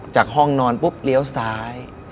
จากห้องนอนปุ๊บเลี้ยวซ้าย